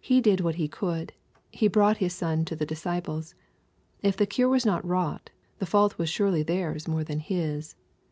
He did what he could. He brought his son to the disciples. If the cure was not wrought, the fault was surely theirs more than his.